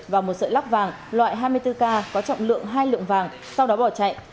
và một sợi lắc vàng loại hai mươi bốn k có trọng lượng hai lượng vàng sau đó bỏ chạy